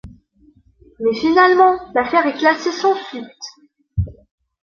Mais finalement, l'affaire est classée sans suite.